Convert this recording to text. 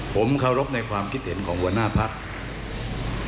ผมเคารพในความคิดเห็นของหัวหน้าพัก